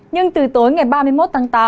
nhưng từ tối ngày ba mươi một tháng tám